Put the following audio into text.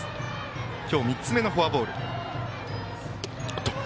今日３つ目のフォアボール